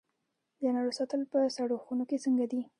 د انارو ساتل په سړو خونو کې څنګه دي؟